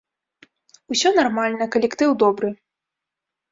Усё нармальна, калектыў добры.